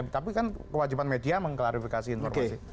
tapi kan kewajiban media mengklarifikasi informasi